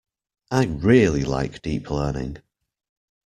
I really like Deep Learning.